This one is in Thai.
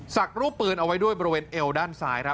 ักรูปปืนเอาไว้ด้วยบริเวณเอวด้านซ้ายครับ